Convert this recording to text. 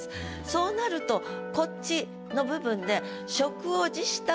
そうなるとこっちの部分で。